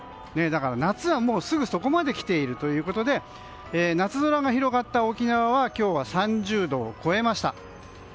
夏はすぐそこまで来ているということで夏空の広がった沖縄は今日は３０度を超えました。